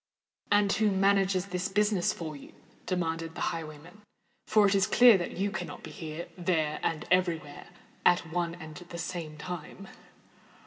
"And who manages this business for you?" demanded the highwayman; "for it is clear that you cannot be here—there—and every where at one and the same time."